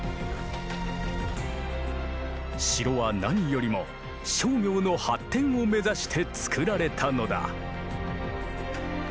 城は何よりも商業の発展を目指して造られたのだ。